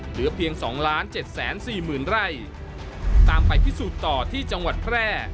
เหลือเพียงสองล้านเจ็ดแสนสี่หมื่นไร่ตามไปพิสูจน์ต่อที่จังหวัดแพร่